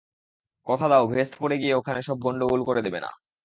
কথা দাও ভেস্ট পরে গিয়ে ওখানে সব গন্ডগোল করে দেবে না।